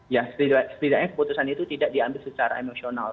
ya setidaknya keputusan itu tidak diambil secara emosional